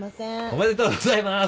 おめでとうございます。